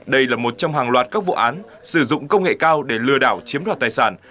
đây là một trong hàng loạt các vụ án sử dụng công nghệ cao để lừa đảo chiếm đoạt tài sản